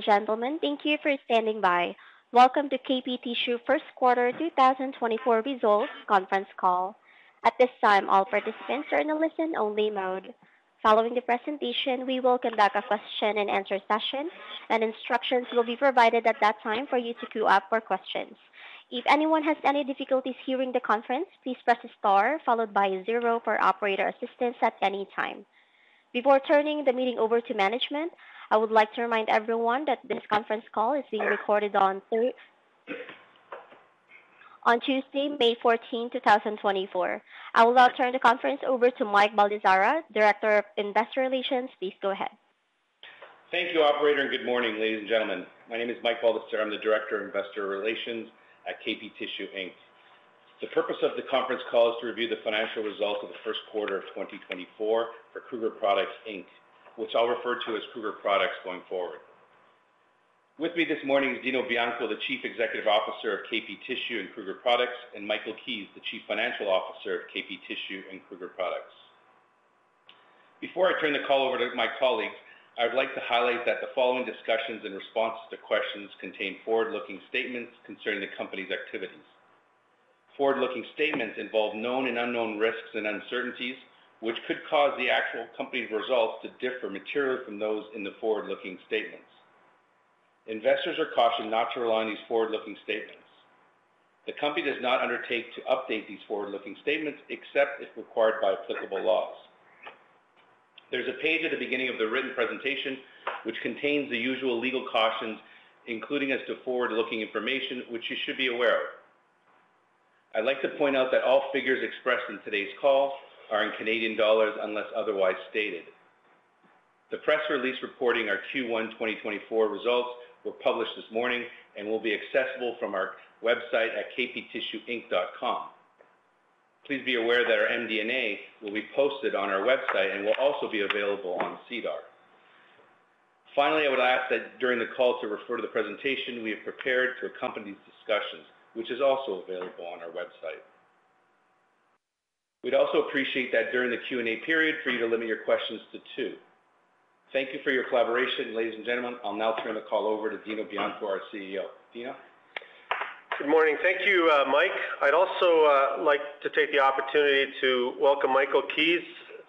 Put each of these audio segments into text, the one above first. Gentlemen, thank you for standing by. Welcome to KP Tissue first quarter 2024 results conference call. At this time, all participants are in a listen-only mode. Following the presentation, we will conduct a question-and-answer session, and instructions will be provided at that time for you to queue up for questions. If anyone has any difficulties hearing the conference, please press a star followed by a 0 for operator assistance at any time. Before turning the meeting over to management, I would like to remind everyone that this conference call is being recorded on Tuesday, May 14, 2024. I will now turn the conference over to Mike Baldesarra, Director of Investor Relations. Please go ahead. Thank you, Operator, and good morning, ladies and gentlemen. My name is Mike Baldesarra. I'm the Director of Investor Relations at KP Tissue, Inc. The purpose of the conference call is to review the financial results of the first quarter of 2024 for Kruger Products, Inc., which I'll refer to as Kruger Products going forward. With me this morning is Dino Bianco, the Chief Executive Officer of KP Tissue and Kruger Products, and Michael Keays, the Chief Financial Officer of KP Tissue and Kruger Products. Before I turn the call over to my colleagues, I would like to highlight that the following discussions and responses to questions contain forward-looking statements concerning the company's activities. Forward-looking statements involve known and unknown risks and uncertainties, which could cause the actual company's results to differ materially from those in the forward-looking statements. Investors are cautioned not to rely on these forward-looking statements. The company does not undertake to update these forward-looking statements except if required by applicable laws. There's a page at the beginning of the written presentation which contains the usual legal cautions, including as to forward-looking information, which you should be aware of. I'd like to point out that all figures expressed in today's call are in Canadian dollars unless otherwise stated. The press release reporting our Q1 2024 results were published this morning and will be accessible from our website at KP Tissue Inc. dot com. Please be aware that our MD&A will be posted on our website and will also be available on SEDAR+. Finally, I would ask that during the call to refer to the presentation we have prepared to accompany these discussions, which is also available on our website. We'd also appreciate that during the Q&A period for you to limit your questions to two. Thank you for your collaboration, ladies and gentlemen. I'll now turn the call over to Dino Bianco, our CEO. Dino? Good morning. Thank you, Mike. I'd also like to take the opportunity to welcome Michael Keays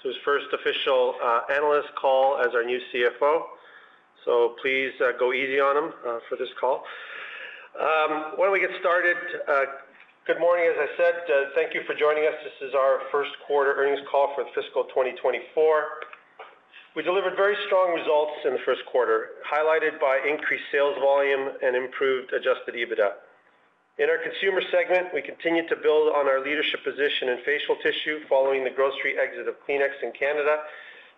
to his first official analyst call as our new CFO. So please go easy on him for this call. Why don't we get started? Good morning, as I said. Thank you for joining us. This is our first quarter earnings call for fiscal 2024. We delivered very strong results in the first quarter, highlighted by increased sales volume and improved Adjusted EBITDA. In our consumer segment, we continue to build on our leadership position in facial tissue following the grocery exit of Kleenex in Canada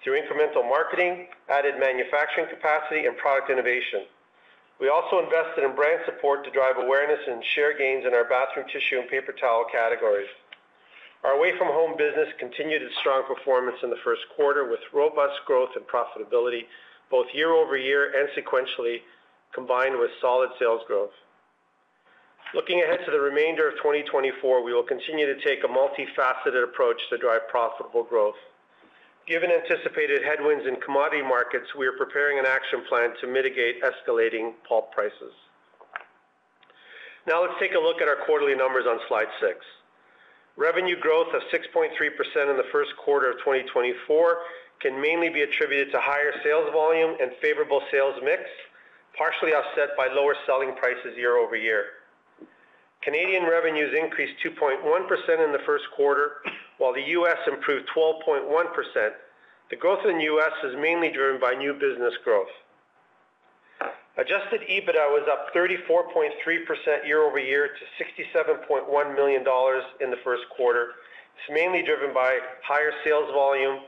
through incremental marketing, added manufacturing capacity, and product innovation. We also invested in brand support to drive awareness and share gains in our bathroom tissue and paper towel categories. Our away-from-home business continued its strong performance in the first quarter with robust growth and profitability both year-over-year and sequentially, combined with solid sales growth. Looking ahead to the remainder of 2024, we will continue to take a multifaceted approach to drive profitable growth. Given anticipated headwinds in commodity markets, we are preparing an action plan to mitigate escalating pulp prices. Now let's take a look at our quarterly numbers on slide 6. Revenue growth of 6.3% in the first quarter of 2024 can mainly be attributed to higher sales volume and favorable sales mix, partially offset by lower selling prices year-over-year. Canadian revenues increased 2.1% in the first quarter, while the U.S. improved 12.1%. The growth in the U.S. is mainly driven by new business growth. Adjusted EBITDA was up 34.3% year-over-year to 67.1 million dollars in the first quarter. It's mainly driven by higher sales volume,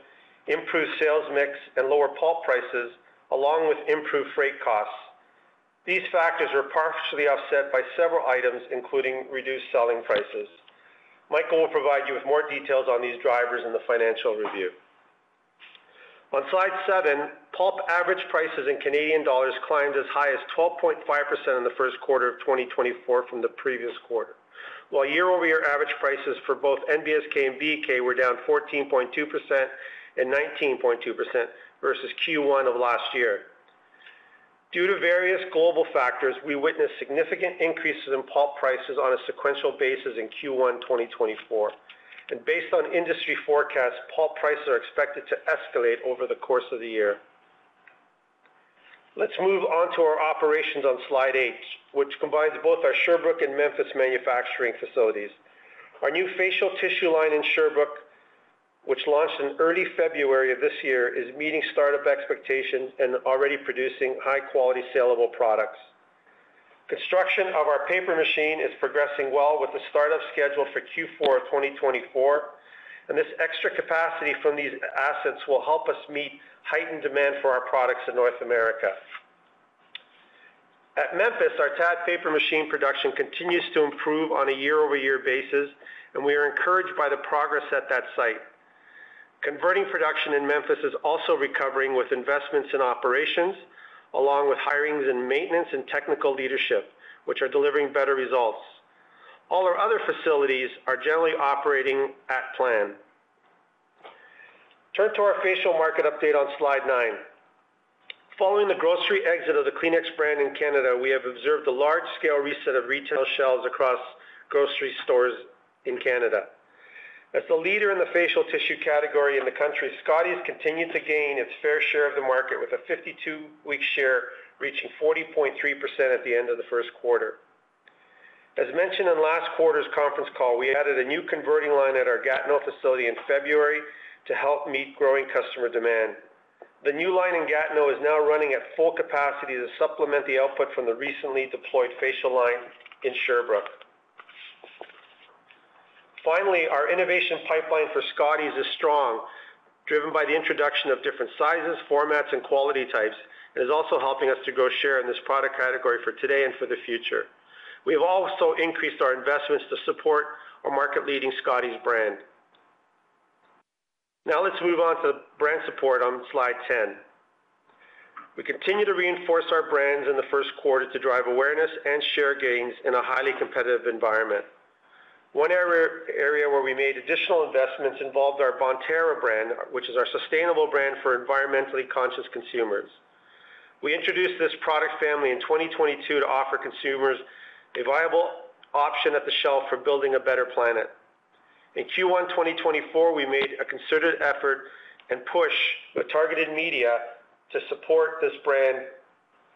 improved sales mix, and lower pulp prices, along with improved freight costs. These factors are partially offset by several items, including reduced selling prices. Michael will provide you with more details on these drivers in the financial review. On slide 7, pulp average prices in Canadian dollars climbed as high as 12.5% in the first quarter of 2024 from the previous quarter, while year-over-year average prices for both NBSK and BEK were down 14.2% and 19.2% versus Q1 of last year. Due to various global factors, we witnessed significant increases in pulp prices on a sequential basis in Q1 2024. Based on industry forecasts, pulp prices are expected to escalate over the course of the year. Let's move on to our operations on slide 8, which combines both our Sherbrooke and Memphis manufacturing facilities. Our new facial tissue line in Sherbrooke, which launched in early February of this year, is meeting startup expectations and already producing high-quality, saleable products. Construction of our paper machine is progressing well with the startup scheduled for Q4 of 2024. This extra capacity from these assets will help us meet heightened demand for our products in North America. At Memphis, our TAD paper machine production continues to improve on a year-over-year basis, and we are encouraged by the progress at that site. Converting production in Memphis is also recovering with investments in operations, along with hirings in maintenance and technical leadership, which are delivering better results. All our other facilities are generally operating at plan. Turn to our facial market update on slide nine. Following the grocery exit of the Kleenex brand in Canada, we have observed a large-scale reset of retail shelves across grocery stores in Canada. As the leader in the facial tissue category in the country, Scotties continued to gain its fair share of the market, with a 52-week share reaching 40.3% at the end of the first quarter. As mentioned in last quarter's conference call, we added a new converting line at our Gatineau facility in February to help meet growing customer demand. The new line in Gatineau is now running at full capacity to supplement the output from the recently deployed facial line in Sherbrooke. Finally, our innovation pipeline for Scotties is strong, driven by the introduction of different sizes, formats, and quality types, and is also helping us to grow share in this product category for today and for the future. We have also increased our investments to support our market-leading Scotties brand. Now let's move on to brand support on slide 10. We continue to reinforce our brands in the first quarter to drive awareness and share gains in a highly competitive environment. One area where we made additional investments involved our Bonterra brand, which is our sustainable brand for environmentally conscious consumers. We introduced this product family in 2022 to offer consumers a viable option at the shelf for building a better planet. In Q1 2024, we made a concerted effort and push with targeted media to support this brand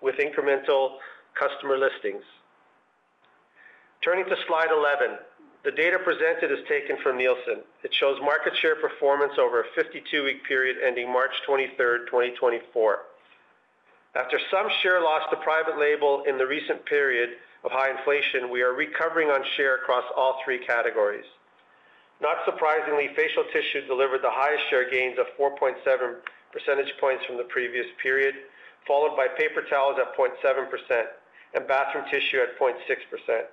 with incremental customer listings. Turning to slide 11, the data presented is taken from Nielsen. It shows market share performance over a 52-week period ending March 23, 2024. After some share lost to private label in the recent period of high inflation, we are recovering on share across all three categories. Not surprisingly, facial tissue delivered the highest share gains of 4.7 percentage points from the previous period, followed by paper towels at 0.7% and bathroom tissue at 0.6%.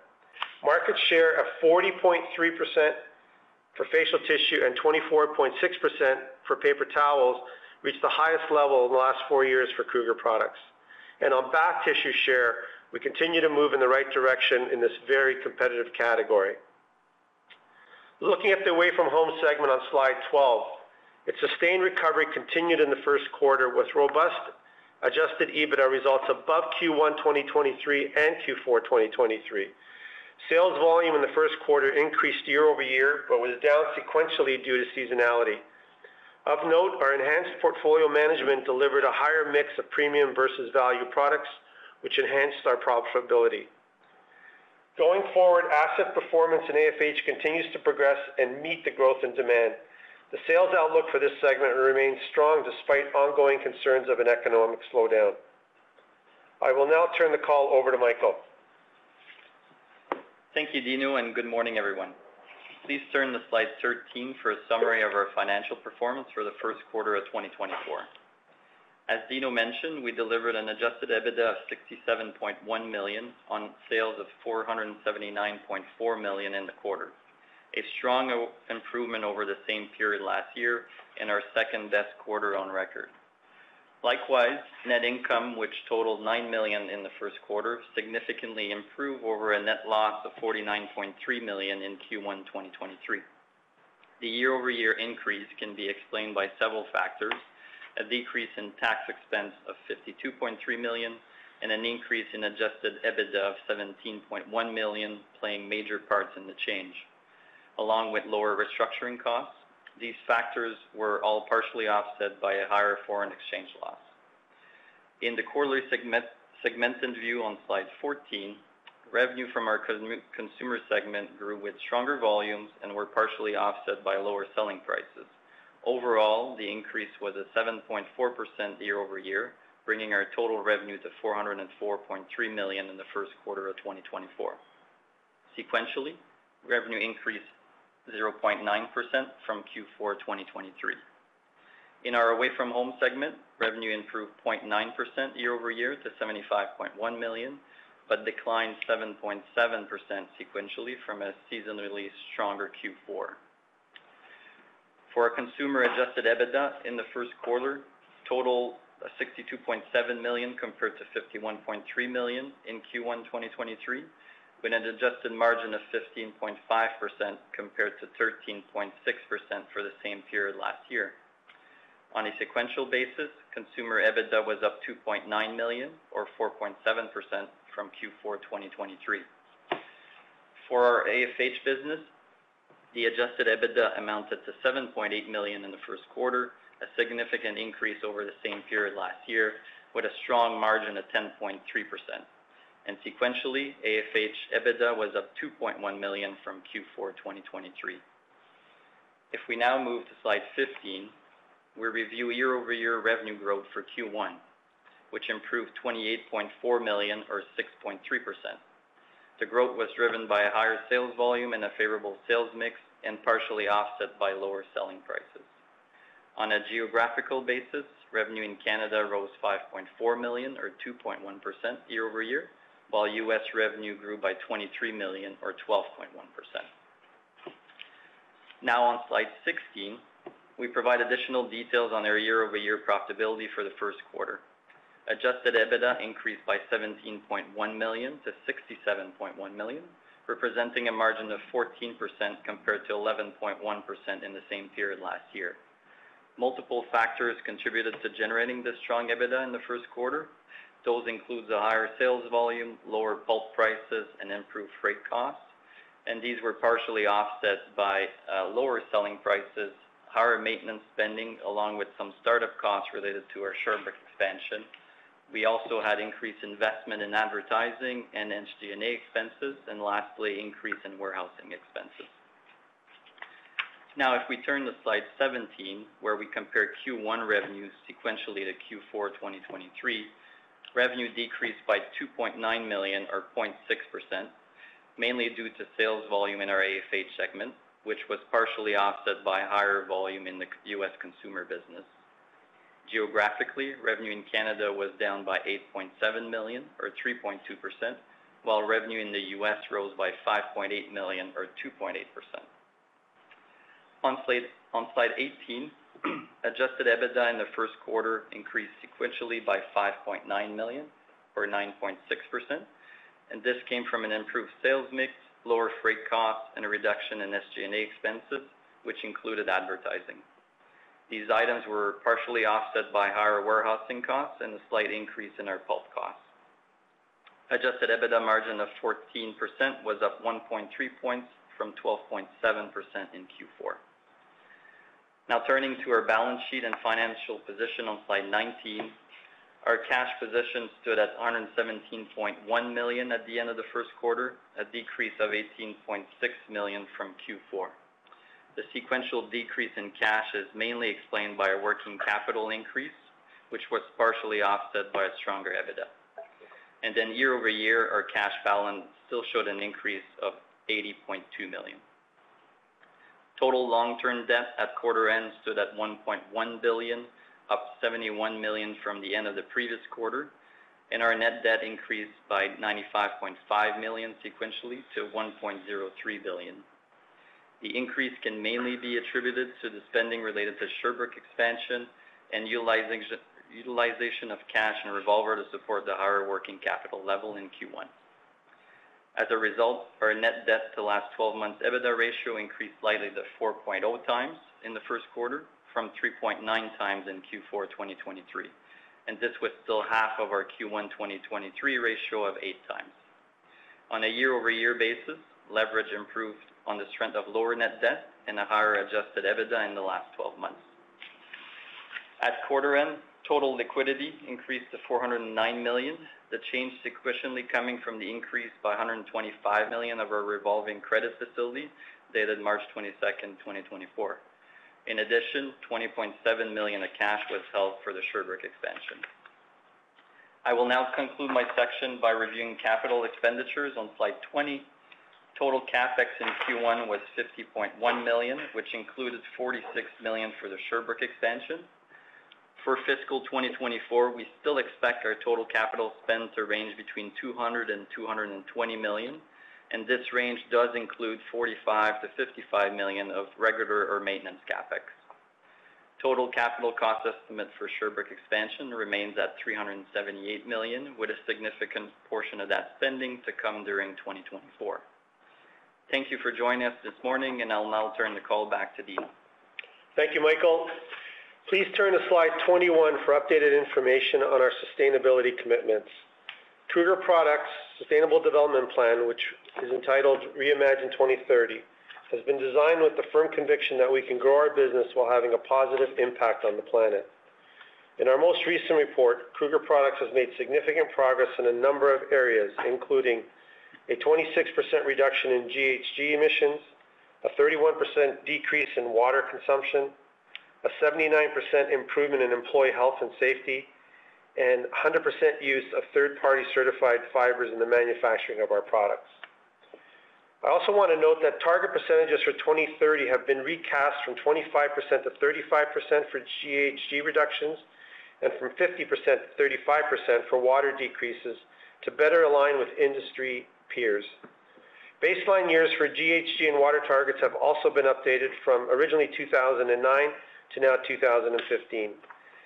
Market share of 40.3% for facial tissue and 24.6% for paper towels reached the highest level in the last four years for Kruger Products. On bath tissue share, we continue to move in the right direction in this very competitive category. Looking at the away-from-home segment on slide 12, its sustained recovery continued in the first quarter with robust Adjusted EBITDA results above Q1 2023 and Q4 2023. Sales volume in the first quarter increased year-over-year but was down sequentially due to seasonality. Of note, our enhanced portfolio management delivered a higher mix of premium versus value products, which enhanced our profitability. Going forward, asset performance in AFH continues to progress and meet the growth in demand. The sales outlook for this segment remains strong despite ongoing concerns of an economic slowdown. I will now turn the call over to Michael. Thank you, Dino, and good morning, everyone. Please turn to slide 13 for a summary of our financial performance for the first quarter of 2024. As Dino mentioned, we delivered an adjusted EBITDA of 67.1 million on sales of 479.4 million in the quarter, a strong improvement over the same period last year and our second-best quarter on record. Likewise, net income, which totaled 9 million in the first quarter, significantly improved over a net loss of 49.3 million in Q1 2023. The year-over-year increase can be explained by several factors: a decrease in tax expense of 52.3 million and an increase in adjusted EBITDA of 17.1 million playing major parts in the change, along with lower restructuring costs. These factors were all partially offset by a higher foreign exchange loss. In the quarterly segmented view on slide 14, revenue from our consumer segment grew with stronger volumes and were partially offset by lower selling prices. Overall, the increase was a 7.4% year-over-year, bringing our total revenue to 404.3 million in the first quarter of 2024. Sequentially, revenue increased 0.9% from Q4 2023. In our away-from-home segment, revenue improved 0.9% year-over-year to 75.1 million but declined 7.7% sequentially from a seasonally stronger Q4. For our consumer Adjusted EBITDA in the first quarter totaled 62.7 million compared to 51.3 million in Q1 2023 with an adjusted margin of 15.5% compared to 13.6% for the same period last year. On a sequential basis, consumer EBITDA was up 2.9 million or 4.7% from Q4 2023. For our AFH business, the Adjusted EBITDA amounted to 7.8 million in the first quarter, a significant increase over the same period last year with a strong margin of 10.3%. Sequentially, AFH EBITDA was up 2.1 million from Q4 2023. If we now move to slide 15, we review year-over-year revenue growth for Q1, which improved 28.4 million or 6.3%. The growth was driven by a higher sales volume and a favorable sales mix and partially offset by lower selling prices. On a geographical basis, revenue in Canada rose 5.4 million or 2.1% year-over-year, while U.S. revenue grew by 23 million or 12.1%. Now on slide 16, we provide additional details on our year-over-year profitability for the first quarter. Adjusted EBITDA increased by 17.1 million to 67.1 million, representing a margin of 14% compared to 11.1% in the same period last year. Multiple factors contributed to generating this strong EBITDA in the first quarter. Those include a higher sales volume, lower pulp prices, and improved freight costs. These were partially offset by lower selling prices, higher maintenance spending, along with some startup costs related to our Sherbrooke expansion. We also had increased investment in advertising and higher D&A expenses, and lastly, increase in warehousing expenses. Now, if we turn to slide 17, where we compare Q1 revenues sequentially to Q4 2023, revenue decreased by 2.9 million or 0.6%, mainly due to sales volume in our AFH segment, which was partially offset by higher volume in the US consumer business. Geographically, revenue in Canada was down by 8.7 million or 3.2%, while revenue in the US rose by 5.8 million or 2.8%. On slide 18, adjusted EBITDA in the first quarter increased sequentially by 5.9 million or 9.6%. This came from an improved sales mix, lower freight costs, and a reduction in SG&A expenses, which included advertising. These items were partially offset by higher warehousing costs and a slight increase in our pulp costs. Adjusted EBITDA margin of 14% was up 1.3 points from 12.7% in Q4. Now turning to our balance sheet and financial position on slide 19, our cash position stood at 117.1 million at the end of the first quarter, a decrease of 18.6 million from Q4. The sequential decrease in cash is mainly explained by a working capital increase, which was partially offset by a stronger EBITDA. Then year-over-year, our cash balance still showed an increase of 80.2 million. Total long-term debt at quarter end stood at 1.1 billion, up 71 million from the end of the previous quarter, and our net debt increased by 95.5 million sequentially to 1.03 billion. The increase can mainly be attributed to the spending related to Sherbrooke expansion and utilization of cash and revolver to support the higher working capital level in Q1. As a result, our net debt-to-last-12-months EBITDA ratio increased slightly to 4.0 times in the first quarter from 3.9 times in Q4 2023. This was still half of our Q1 2023 ratio of 8 times. On a year-over-year basis, leverage improved on the strength of lower net debt and a higher adjusted EBITDA in the last 12 months. At quarter end, total liquidity increased to 409 million, the change sequentially coming from the increase by 125 million of our revolving credit facility dated March 22, 2024. In addition, 20.7 million of cash was held for the Sherbrooke expansion. I will now conclude my section by reviewing capital expenditures on slide 20. Total CapEx in Q1 was 50.1 million, which included 46 million for the Sherbrooke expansion. For fiscal 2024, we still expect our total capital spend to range between 200 million and 220 million. This range does include 45 million-55 million of regulatory or maintenance CapEx. Total capital cost estimate for Sherbrooke expansion remains at 378 million, with a significant portion of that spending to come during 2024. Thank you for joining us this morning, and I'll now turn the call back to Dino. Thank you, Michael. Please turn to slide 21 for updated information on our sustainability commitments. Kruger Products' sustainable development plan, which is entitled Reimagine 2030, has been designed with the firm conviction that we can grow our business while having a positive impact on the planet. In our most recent report, Kruger Products has made significant progress in a number of areas, including a 26% reduction in GHG emissions, a 31% decrease in water consumption, a 79% improvement in employee health and safety, and 100% use of third-party certified fibers in the manufacturing of our products. I also want to note that target percentages for 2030 have been recast from 25% to 35% for GHG reductions and from 50% to 35% for water decreases to better align with industry peers. Baseline years for GHG and water targets have also been updated from originally 2009 to now 2015.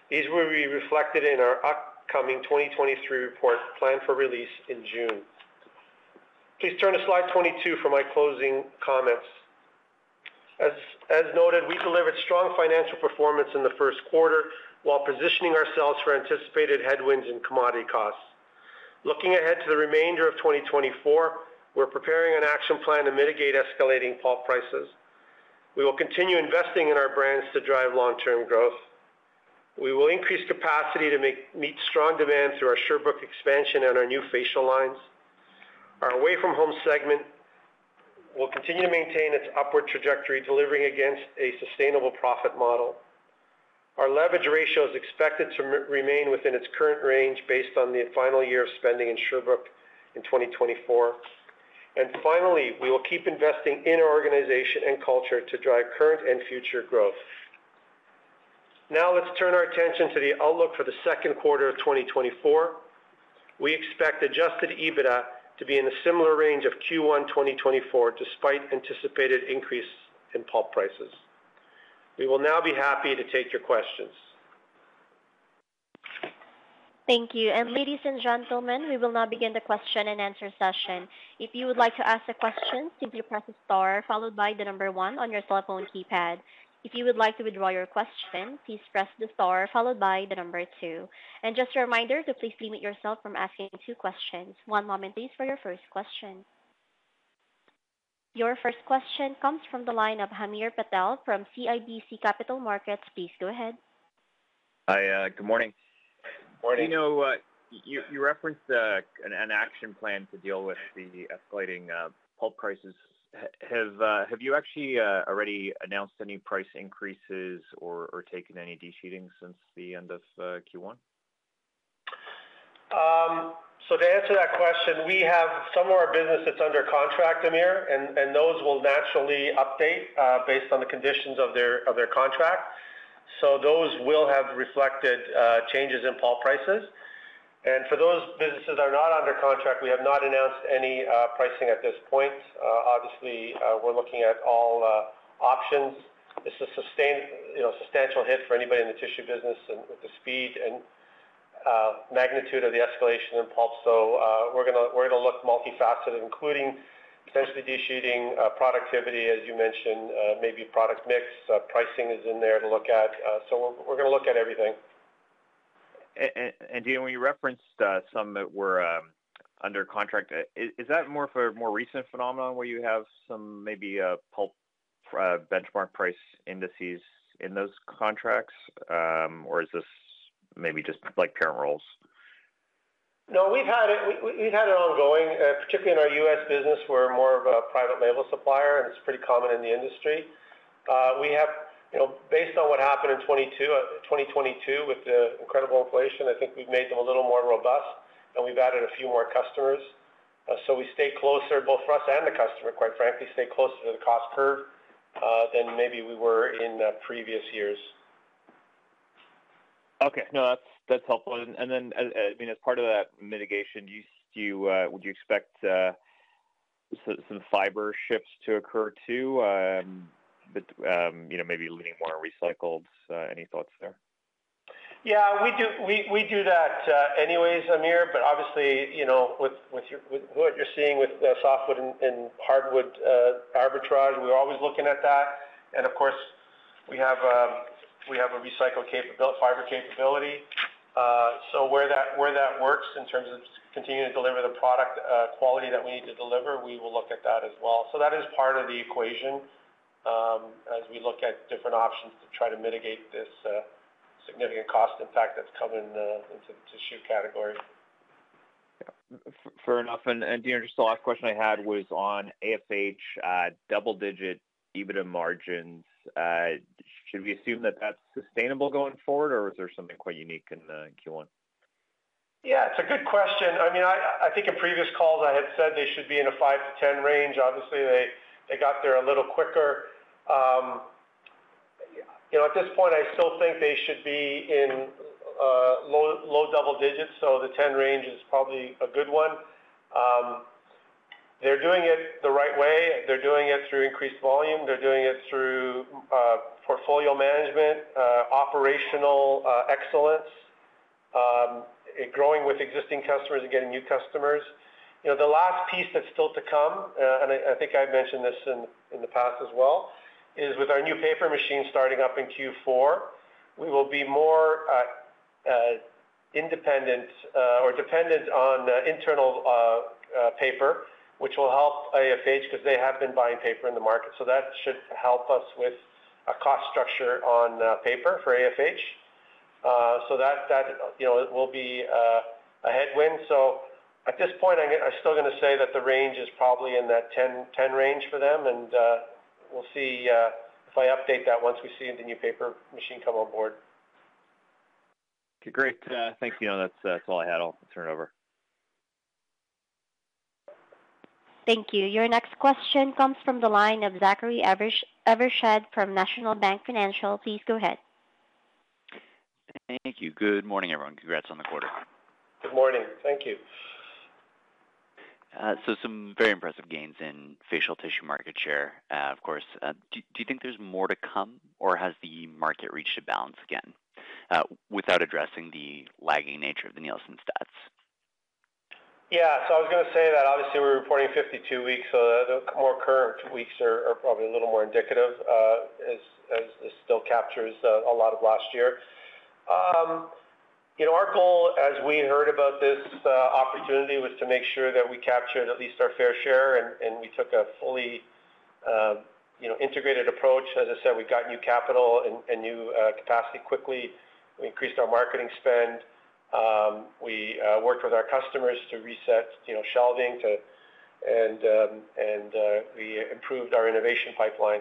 These will be reflected in our upcoming 2023 report planned for release in June. Please turn to slide 22 for my closing comments. As noted, we delivered strong financial performance in the first quarter while positioning ourselves for anticipated headwinds in commodity costs. Looking ahead to the remainder of 2024, we're preparing an action plan to mitigate escalating pulp prices. We will continue investing in our brands to drive long-term growth. We will increase capacity to meet strong demand through our Sherbrooke expansion and our new facial lines. Our away-from-home segment will continue to maintain its upward trajectory, delivering against a sustainable profit model. Our leverage ratio is expected to remain within its current range based on the final year of spending in Sherbrooke in 2024. Finally, we will keep investing in our organization and culture to drive current and future growth. Now let's turn our attention to the outlook for the second quarter of 2024. We expect Adjusted EBITDA to be in a similar range of Q1 2024 despite anticipated increase in pulp prices. We will now be happy to take your questions. Thank you. And ladies and gentlemen, we will now begin the question and answer session. If you would like to ask a question, simply press the star followed by the number 1 on your cell phone keypad. If you would like to withdraw your question, please press the star followed by the number 2. And just a reminder to please limit yourself from asking two questions. One moment, please, for your first question. Your first question comes from the line of Hamir Patel from CIBC Capital Markets. Please go ahead. Hi. Good morning. Good morning. Dino, you referenced an action plan to deal with the escalating pulp prices. Have you actually already announced any price increases or taken any delisting since the end of Q1? So to answer that question, some of our business that's under contract, Hamir, and those will naturally update based on the conditions of their contract. So those will have reflected changes in pulp prices. And for those businesses that are not under contract, we have not announced any pricing at this point. Obviously, we're looking at all options. It's a substantial hit for anybody in the tissue business with the speed and magnitude of the escalation in pulp. So we're going to look multifaceted, including potentially de-featuring productivity, as you mentioned, maybe product mix. Pricing is in there to look at. So we're going to look at everything. Dino, you referenced some that were under contract. Is that more of a more recent phenomenon where you have some maybe pulp benchmark price indices in those contracts, or is this maybe just parent roles? No, we've had it ongoing, particularly in our U.S. business. We're more of a private label supplier, and it's pretty common in the industry. Based on what happened in 2022 with the incredible inflation, I think we've made them a little more robust, and we've added a few more customers. So we stay closer, both for us and the customer, quite frankly, stay closer to the cost curve than maybe we were in previous years. Okay. No, that's helpful. And then, I mean, as part of that mitigation, would you expect some fiber shifts to occur too, maybe leaning more recycled? Any thoughts there? Yeah, we do that anyways, Hamir. But obviously, with what you're seeing with softwood and hardwood arbitrage, we're always looking at that. And of course, we have a recycle fiber capability. So where that works in terms of continuing to deliver the product quality that we need to deliver, we will look at that as well. So that is part of the equation as we look at different options to try to mitigate this significant cost impact that's coming into the tissue category. Yeah. Fair enough. Dino, just the last question I had was on AFH double-digit EBITDA margins. Should we assume that that's sustainable going forward, or is there something quite unique in Q1? Yeah, it's a good question. I mean, I think in previous calls, I had said they should be in a 5-10 range. Obviously, they got there a little quicker. At this point, I still think they should be in low double digits. So the 10 range is probably a good one. They're doing it the right way. They're doing it through increased volume. They're doing it through portfolio management, operational excellence, growing with existing customers and getting new customers. The last piece that's still to come, and I think I've mentioned this in the past as well, is with our new paper machine starting up in Q4, we will be more independent or dependent on internal paper, which will help AFH because they have been buying paper in the market. So that should help us with a cost structure on paper for AFH. That will be a headwind. At this point, I'm still going to say that the range is probably in that 10 range for them. We'll see if I update that once we see the new paper machine come on board. Okay. Great. Thanks, Dino. That's all I had. I'll turn it over. Thank you. Your next question comes from the line of Zachary Evershed from National Bank Financial. Please go ahead. Thank you. Good morning, everyone. Congrats on the quarter. Good morning. Thank you. Some very impressive gains in facial tissue market share, of course. Do you think there's more to come, or has the market reached a balance again without addressing the lagging nature of the Nielsen stats? Yeah. So I was going to say that obviously, we're reporting 52 weeks. So the more current weeks are probably a little more indicative as this still captures a lot of last year. Our goal, as we heard about this opportunity, was to make sure that we captured at least our fair share, and we took a fully integrated approach. As I said, we've got new capital and new capacity quickly. We increased our marketing spend. We worked with our customers to reset shelving, and we improved our innovation pipeline.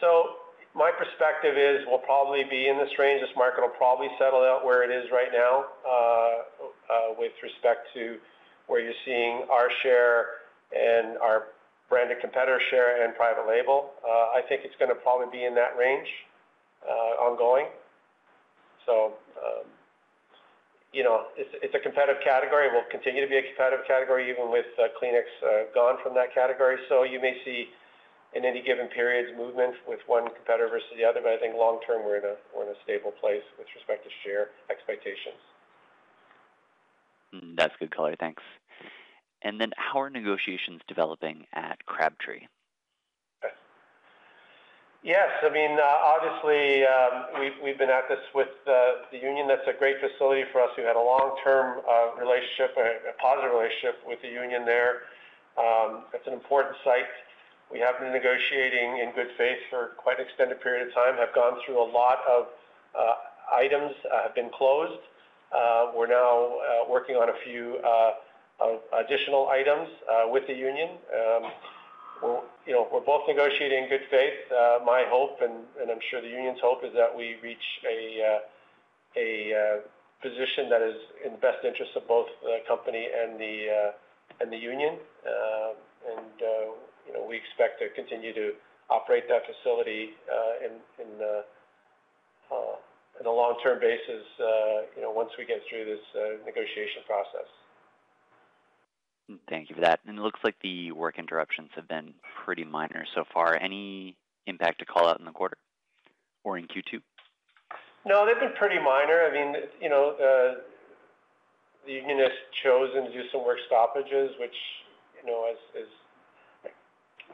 So my perspective is we'll probably be in this range. This market will probably settle out where it is right now with respect to where you're seeing our share and our branded competitor share and private label. I think it's going to probably be in that range ongoing. So it's a competitive category. It will continue to be a competitive category even with Kleenex gone from that category. So you may see in any given periods movement with one competitor versus the other. But I think long-term, we're in a stable place with respect to share expectations. That's good color. Thanks. Then how are negotiations developing at Crabtree? Yes. I mean, obviously, we've been at this with the union. That's a great facility for us who had a long-term relationship, a positive relationship with the union there. That's an important site. We have been negotiating in good faith for quite an extended period of time, have gone through a lot of items, have been closed. We're now working on a few additional items with the union. We're both negotiating in good faith. My hope, and I'm sure the union's hope, is that we reach a position that is in the best interests of both the company and the union. We expect to continue to operate that facility on a long-term basis once we get through this negotiation process. Thank you for that. It looks like the work interruptions have been pretty minor so far. Any impact to call out in the quarter or in Q2? No, they've been pretty minor. I mean, the union has chosen to do some work stoppages, which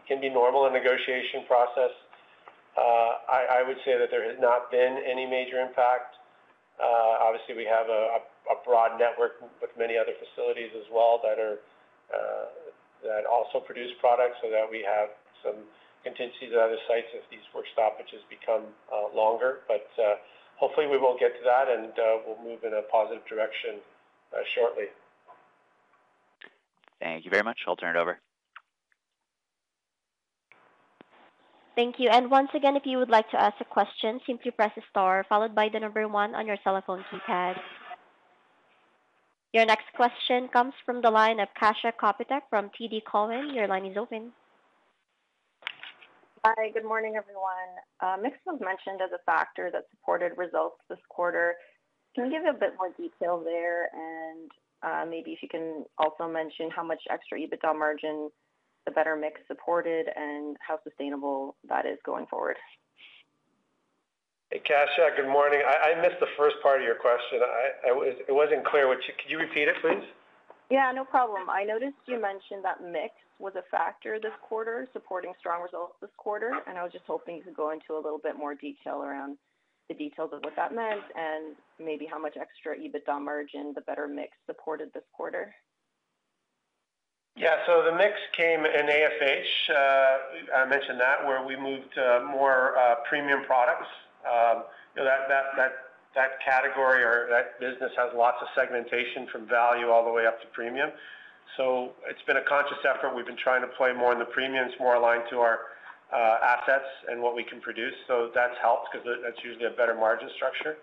can be normal in a negotiation process. I would say that there has not been any major impact. Obviously, we have a broad network with many other facilities as well that also produce products so that we have some contingencies at other sites if these work stoppages become longer. But hopefully, we won't get to that, and we'll move in a positive direction shortly. Thank you very much. I'll turn it over. Thank you. Once again, if you would like to ask a question, simply press the star followed by the number 1 on your cell phone keypad. Your next question comes from the line of Kasia Kopytko from TD Cowen. Your line is open. Hi. Good morning, everyone. Mix was mentioned as a factor that supported results this quarter. Can you give a bit more detail there, and maybe if you can also mention how much extra EBITDA margin the better mix supported and how sustainable that is going forward? Hey, Kasia. Good morning. I missed the first part of your question. It wasn't clear. Could you repeat it, please? Yeah, no problem. I noticed you mentioned that mix was a factor this quarter supporting strong results this quarter. I was just hoping you could go into a little bit more detail around the details of what that meant and maybe how much extra EBITDA margin the better mix supported this quarter. Yeah. So the mix came in AFH. I mentioned that where we moved to more premium products. That category or that business has lots of segmentation from value all the way up to premium. So it's been a conscious effort. We've been trying to play more in the premiums, more aligned to our assets and what we can produce. So that's helped because that's usually a better margin structure.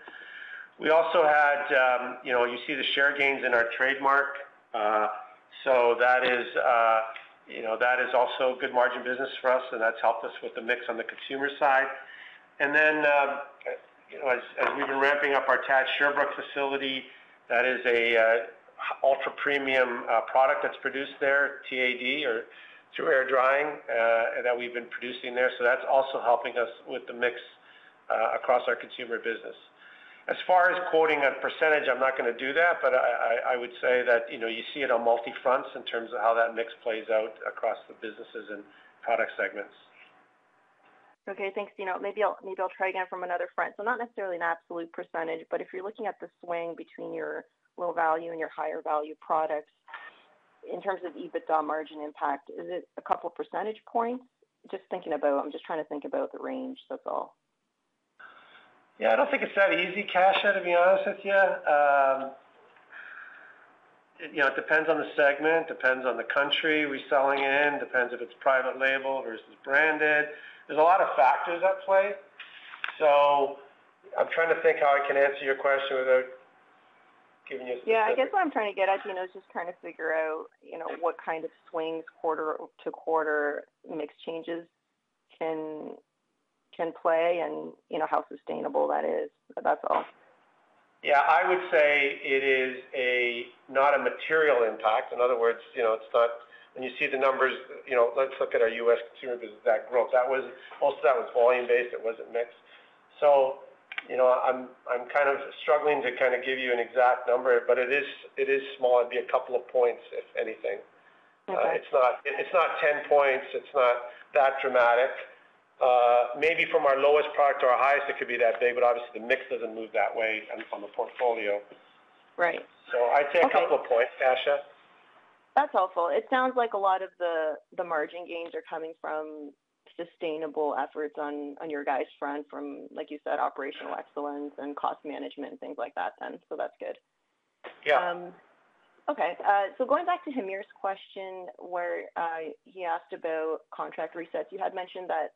We also had you see the share gains in our trademark. So that is also good margin business for us, and that's helped us with the mix on the consumer side. And then as we've been ramping up our TAD Sherbrooke facility, that is an ultra-premium product that's produced there, TAD, through air drying that we've been producing there. So that's also helping us with the mix across our consumer business. As far as quoting a percentage, I'm not going to do that, but I would say that you see it on multi-front in terms of how that mix plays out across the businesses and product segments. Okay. Thanks, Dino. Maybe I'll try again from another front. So not necessarily an absolute percentage, but if you're looking at the swing between your low value and your higher value products in terms of EBITDA margin impact, is it a couple of percentage points? I'm just trying to think about the range. That's all. Yeah. I don't think it's that easy, Kasha, to be honest with you. It depends on the segment, depends on the country we're selling in, depends if it's private label versus branded. There's a lot of factors at play. So I'm trying to think how I can answer your question without giving you a specific. Yeah. I guess what I'm trying to get at, Dino, is just trying to figure out what kind of swings quarter-to-quarter mix changes can play and how sustainable that is. That's all. Yeah. I would say it is not a material impact. In other words, it's not when you see the numbers. Let's look at our U.S. consumer business. That growth. Most of that was volume-based. It wasn't mixed. So I'm kind of struggling to kind of give you an exact number, but it is small. It'd be a couple of points, if anything. It's not 10 points. It's not that dramatic. Maybe from our lowest product to our highest, it could be that big, but obviously, the mix doesn't move that way on the portfolio. So I'd say a couple of points, Kasha. Okay. That's helpful. It sounds like a lot of the margin gains are coming from sustainable efforts on your guys' front from, like you said, operational excellence and cost management and things like that then. So that's good. Okay. So going back to Hamir's question where he asked about contract resets, you had mentioned that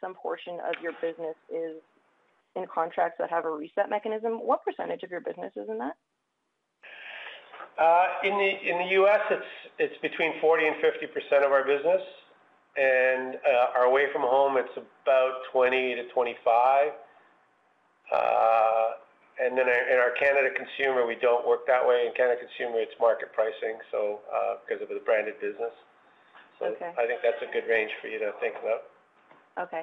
some portion of your business is in contracts that have a reset mechanism. What percentage of your business is in that? In the US, it's between 40% and 50% of our business. Away from home, it's about 20%-25%. Then in our Canada consumer, we don't work that way. In Canada consumer, it's market pricing because of the branded business. So I think that's a good range for you to think about. Okay.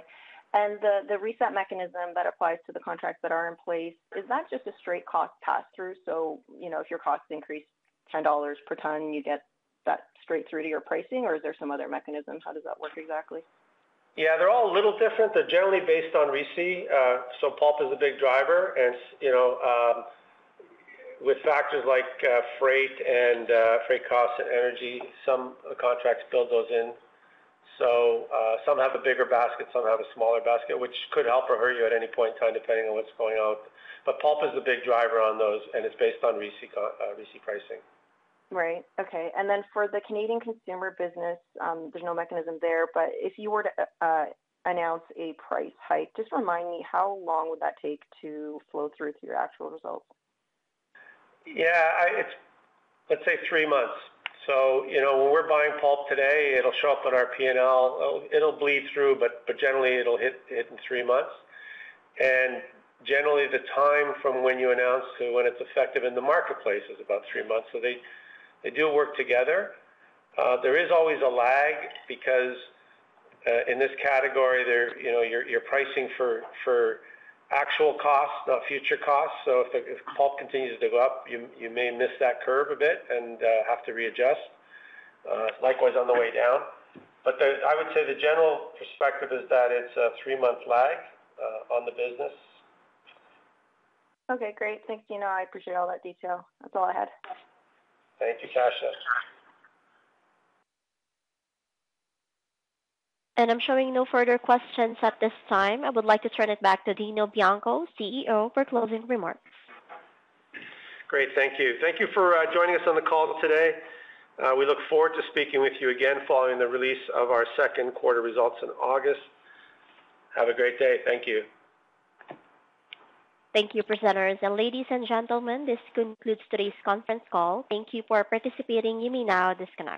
And the reset mechanism that applies to the contracts that are in place, is that just a straight cost pass-through? So if your costs increase 10 dollars per ton, you get that straight through to your pricing, or is there some other mechanism? How does that work exactly? Yeah. They're all a little different. They're generally based on RISI. So Pulp is a big driver. And with factors like freight and freight costs and energy, some contracts build those in. So some have a bigger basket. Some have a smaller basket, which could help or hurt you at any point in time depending on what's going on. But Pulp is the big driver on those, and it's based on RISI pricing. Right. Okay. And then for the Canadian consumer business, there's no mechanism there. But if you were to announce a price hike, just remind me, how long would that take to flow through to your actual results? Yeah. Let's say three months. So when we're buying pulp today, it'll show up on our P&L. It'll bleed through, but generally, it'll hit in three months. And generally, the time from when you announce to when it's effective in the marketplace is about three months. So they do work together. There is always a lag because in this category, you're pricing for actual costs, not future costs. So if pulp continues to go up, you may miss that curve a bit and have to readjust, likewise on the way down. But I would say the general perspective is that it's a three-month lag on the business. Okay. Great. Thanks, Dino. I appreciate all that detail. That's all I had. Thank you, Kasia. I'm showing no further questions at this time. I would like to turn it back to Dino Bianco, CEO, for closing remarks. Great. Thank you. Thank you for joining us on the call today. We look forward to speaking with you again following the release of our second quarter results in August. Have a great day. Thank you. Thank you, presenters. Ladies and gentlemen, this concludes today's conference call. Thank you for participating. You may now disconnect.